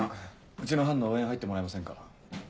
うちの班の応援入ってもらえませんか？